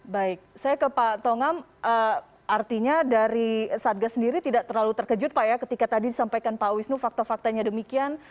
baik saya ke pak tongam artinya dari satgas sendiri tidak terlalu terkejut pak ya ketika tadi disampaikan pak wisnu fakta faktanya demikian